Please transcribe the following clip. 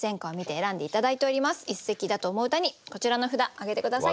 一席だと思う歌にこちらの札挙げて下さい。